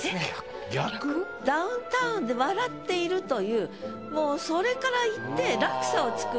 ・ダウンタウンで笑っているというもうそれからいって。